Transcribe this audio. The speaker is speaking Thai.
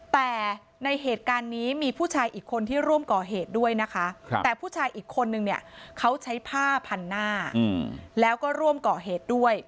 แต่ในเหตุการณ์นี้มีผู้ชายอีกคนที่ร่วมก่อเหตุด้วยนะคะแต่ผู้ชายอีกคนนึงเนี่ยเขาใช้ผ้าพันหน้าแล้วก็ร่วมก่อเหตุด้วย